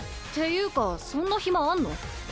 っていうかそんな暇あんの？